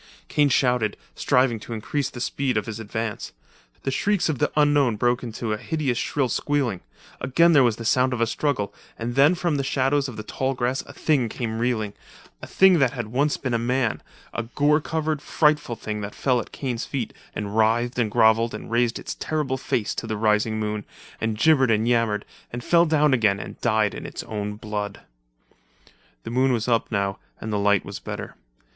Kane shouted, striving to increase the speed of his advance. The shrieks of the unknown broke into a hideous shrill squealing; again there was the sound of a struggle, and then from the shadows of the tall grass a thing came reeling — a thing that had once been a man—a gore covered, frightful thing that fell at Kane's feet and writhed and grovelled and raised its terrible face to the rising moon, and gibbered and yammered, and fell down again and died in its own blood. The moon was up now and the light was better.